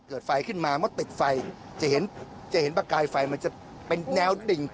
ไฟขึ้นมามดติดไฟจะเห็นจะเห็นประกายไฟมันจะเป็นแนวดิ่ง